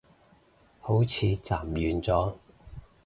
好似暫完咗